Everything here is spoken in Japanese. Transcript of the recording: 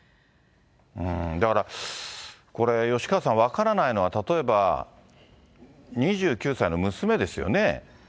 だから、これは吉川さん、分からないのは、例えば２９歳の娘ですよね。